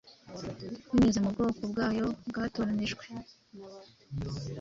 binyuze mu bwoko bwayo bwatoranyijwe.